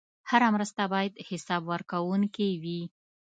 هره مرسته باید حسابورکونکې وي.